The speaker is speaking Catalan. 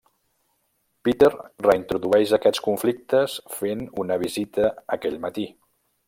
Peter reintrodueix aquests conflictes fent una visita aquell matí.